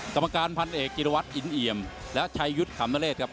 กรรมการพันเอกจิรวัตรอินเอี่ยมและชัยยุทธ์ขำนเรศครับ